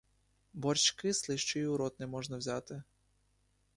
Борщ кислий, що й у рот не можна взяти.